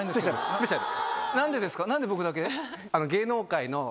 スペシャル！